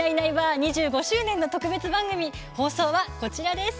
２５周年の特別番組放送は、こちらです。